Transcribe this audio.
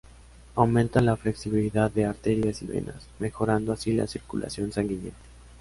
Aumenta la flexibilidad de arterias y venas, mejorando así la circulación sanguínea.